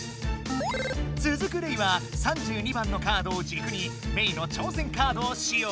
つづくレイは３２番のカードをじくにメイの挑戦カードを使用。